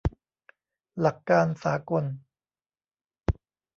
หลักการสากล